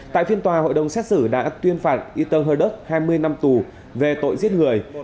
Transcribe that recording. tại phiên tòa hội đồng xét xử đã tuyên phạt y tơn hơ đức hai mươi năm tù về tội giết người